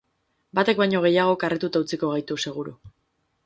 Batek baino gehiagok harrituta utziko gaitu, seguru.